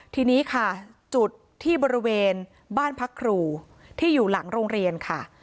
ทีนี้ค่ะจุดที่บริเวณบ้านพักครูที่อยู่หลังโรงเรียนค่ะ